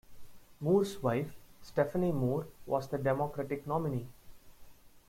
Moore's wife, Stephene Moore, was the Democratic nominee.